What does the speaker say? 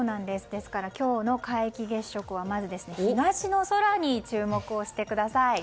ですから今日の皆既月食はまず、東の空に注目してください。